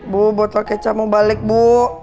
bu botol keca mau balik bu